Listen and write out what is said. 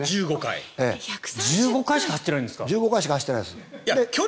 １５回しか走ってないです。